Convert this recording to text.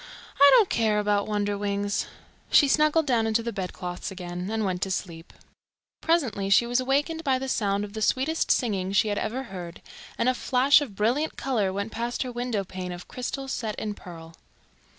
"I don't care about Wonderwings." She snuggled down into the bedclothes again, and went to sleep. Presently she was awakened by the sound of the sweetest singing she had ever heard, and a flash of brilliant colour went past her window pane of crystal set in pearl.